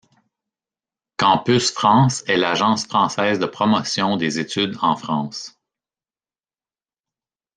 Campus France est l’agence française de promotion des études en France.